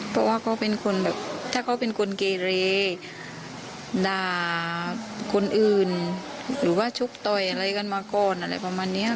เพราะว่าเขาเป็นคนแบบถ้าเขาเป็นคนเกเรด่าคนอื่นหรือว่าชกต่อยอะไรกันมาก่อนอะไรประมาณนี้